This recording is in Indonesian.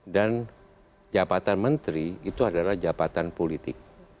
dan jabatan menteri itu adalah jabatan politik